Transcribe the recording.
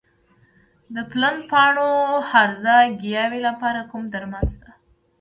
د پلن پاڼو هرزه ګیاوو لپاره کوم درمل شته؟